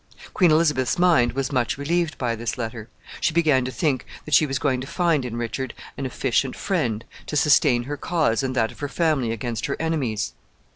Queen Elizabeth's mind was much relieved by this letter. She began to think that she was going to find in Richard an efficient friend to sustain her cause and that of her family against her enemies.